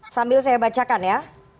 sambil saya bacakan ya